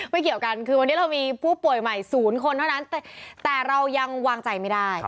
เกี่ยวกันคือวันนี้เรามีผู้ป่วยใหม่๐คนเท่านั้นแต่เรายังวางใจไม่ได้